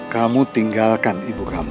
kamu tinggalkan ibu kamu